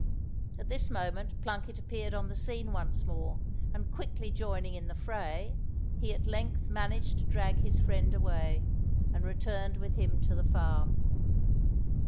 At this moment Plunket appeared on the scene once more, and quickly joining in the fray, he at length managed to drag his friend away, and returned with him to the farm.